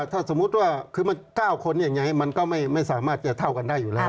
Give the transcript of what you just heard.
ก็นี่ก็คือมัน๙คนอย่างไรมันก็ไม่สามารถจะเท่ากันได้อยู่แล้ว